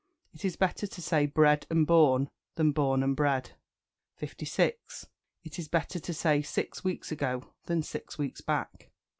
It is better to say "Bred and born," than "Born and bred." 56. It is better to say "Six weeks ago," than "Six weeks back."